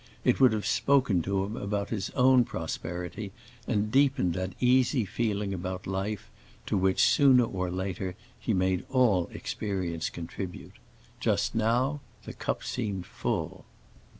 It would have spoken to him about his own prosperity and deepened that easy feeling about life to which, sooner or later, he made all experience contribute. Just now the cup seemed full.